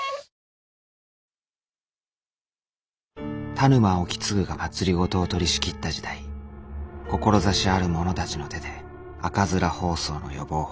田沼意次が政を取りしきった時代志ある者たちの手で赤面疱瘡の予防法